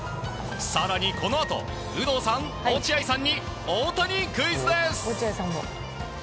更にこのあと有働さん、落合さんに大谷クイズです。